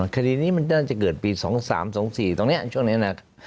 คดีนี้มันน่าจะเกิดปี๒๓๒๔ตรงนี้ช่วงนี้นะครับ